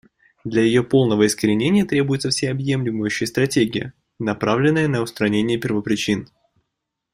Для ее полного искоренения требуется всеобъемлющая стратегия, направленная на устранение первопричин.